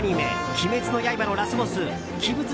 「鬼滅の刃」のラスボス鬼舞辻